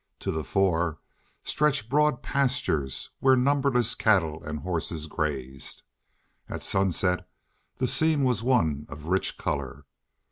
To the fore stretched broad pastures where numberless cattle and horses grazed. At sunset the scene was one of rich color.